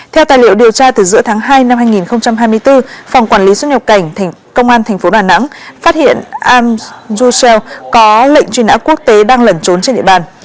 theo tài liệu điều tra từ giữa tháng hai năm hai nghìn hai mươi bốn phòng quản lý xuất nhập cảnh công an tp đà nẵng phát hiện am du seo có lệnh truy nã quốc tế đang lẩn trốn trên địa bàn